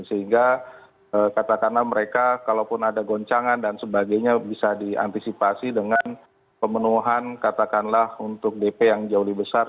sehingga katakanlah mereka kalaupun ada goncangan dan sebagainya bisa diantisipasi dengan pemenuhan katakanlah untuk dp yang jauh lebih besar